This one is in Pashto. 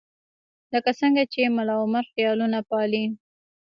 لکه څنګه چې ملاعمر خیالونه پالي.